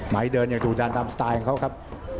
ไมค์เดินยังดูดานตามสไตล์ของเค้าครับ